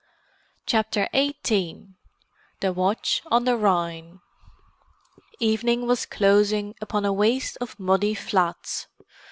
CHAPTER XVIII THE WATCH ON THE RHINE Evening was closing upon a waste of muddy flats.